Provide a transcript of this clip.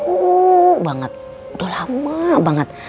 udah lama banget